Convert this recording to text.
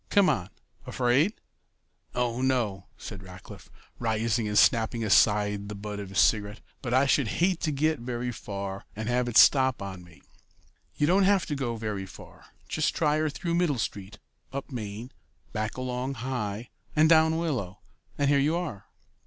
Come on. Afraid?" "Oh, no," said Rackliff, rising and snapping aside the butt of his cigarette, "but I should hate to get very far away and have it stop on me." "You don't have to go very far; just try her through Middle Street, up Main, back along High, and down Willow, and here you are."